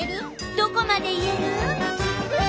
どこまでいえる？